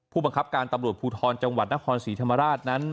ผู้บังคับการตำรวจภูทรจังหวัดนครศรีธรรมราชนั้น